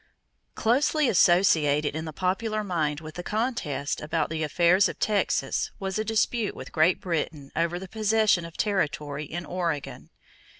= Closely associated in the popular mind with the contest about the affairs of Texas was a dispute with Great Britain over the possession of territory in Oregon.